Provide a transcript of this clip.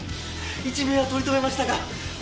一命は取り留めましたが犯人は逃走！